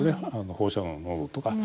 放射能の濃度とか。